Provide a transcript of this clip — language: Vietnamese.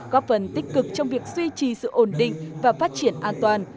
góp phần tích cực trong việc duy trì sự ổn định và phát triển an toàn